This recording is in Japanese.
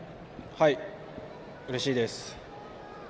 はい、うれしいです。